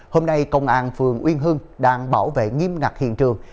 hôm nay công an phường uyên hưng đang bảo vệ nghiêm ngặt hiện trường